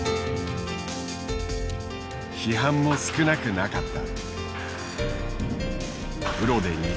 批判も少なくなかった。